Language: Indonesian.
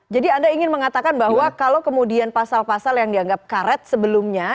jadi anda ingin mengatakan bahwa kalau kemudian pasal pasal yang dianggap karet sebelumnya